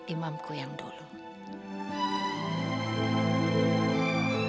imamku yang dulu